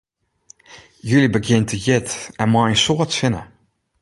July begjint hjit en mei in soad sinne.